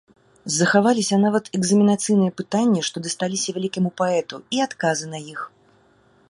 Захаваліся нават экзаменацыйныя пытанні, што дасталіся вялікаму паэту, і адказы на іх.